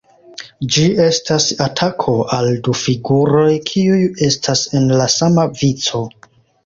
Ĝi estas atako al du figuroj, kiuj estas en la sama vico.